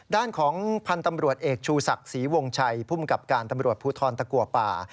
ด้านของพันธุ์ตำรวจเอกชูศักดิ์ศรีวงชัยภูมิกับการตำรวจภูทรตะกัวป่า